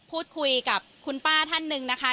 พูดคุยกับคุณป้าท่านหนึ่งนะคะ